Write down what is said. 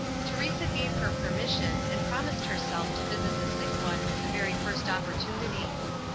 Teresa gave her permission, and promised herself to visit the sick one at the very first opportunity.